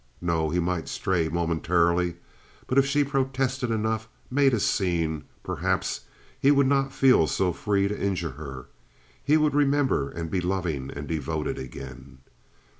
No, he might stray momentarily, but if she protested enough, made a scene, perhaps, he would not feel so free to injure her—he would remember and be loving and devoted again.